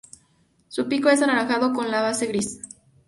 Su pico es anaranjado con la base gris.